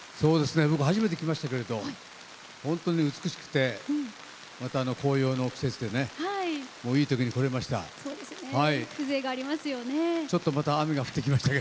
僕、初めて来ましたけれど本当に美しくてまた、紅葉の季節でねいいときに来れました。